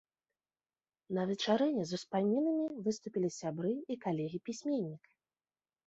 На вечарыне з успамінамі выступілі сябры і калегі пісьменніка.